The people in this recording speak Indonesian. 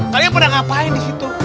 kalian pada ngapain disitu